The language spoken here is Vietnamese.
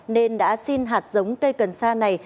nên đã xin hạt giống cây cần sa này